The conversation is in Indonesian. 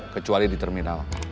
kecuali di terminal